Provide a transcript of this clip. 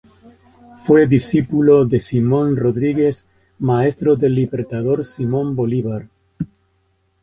Fue discípulo de Simón Rodríguez, maestro del Libertador Simón Bolívar.